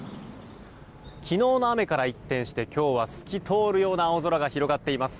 昨日の雨から一転して今日は透き通るような青空が広がっています。